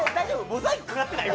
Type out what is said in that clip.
モザイクかかってない？